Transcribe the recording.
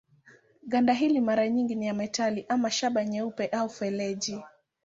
Ganda hili mara nyingi ni ya metali ama shaba nyeupe au feleji.